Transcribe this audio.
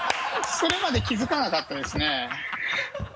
それまで気づかなかったですね。